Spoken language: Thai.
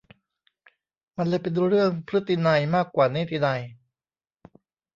มันเลยเป็นเรื่อง"พฤตินัย"มากกว่านิตินัย